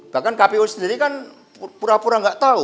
bahkan kpu sendiri kan pura pura nggak tahu